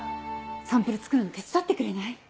サンプル作るの手伝ってくれない？